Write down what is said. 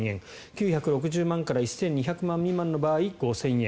９６０万円から１２００万円未満の場合５０００円。